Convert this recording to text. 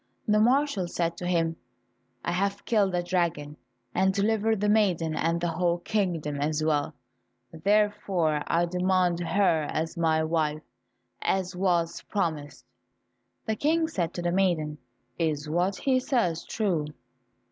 The marshal said to him, "I have killed the dragon, and delivered the maiden and the whole kingdom as well, therefore I demand her as my wife, as was promised." The King said to the maiden, "Is what he says true?"